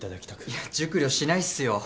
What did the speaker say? いや熟慮しないっすよ。